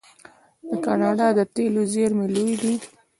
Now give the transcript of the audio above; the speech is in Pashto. د کاناډا د تیلو زیرمې لویې دي.